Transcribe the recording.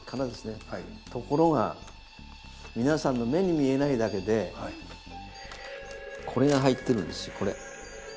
ところが皆さんの目に見えないだけでこれが入ってるんですよこれ。